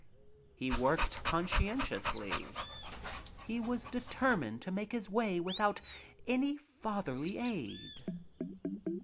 He worked conscientiously. He was de termined to make his way without any fatherly aid.